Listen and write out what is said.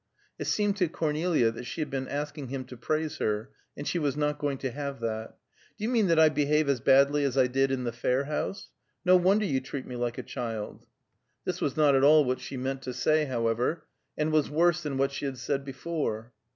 It seemed to Cornelia that she had been asking him to praise her, and she was not going to have that. "Do you mean that I behave as badly as I did in the Fair House? No wonder you treat me like a child." This was not at all what she meant to say, however, and was worse than what she had said before.